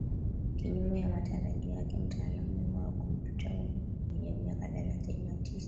kinyume ya matarajio yake mtaalamu huyo wa komputa mwenye miaka thelathini na tisa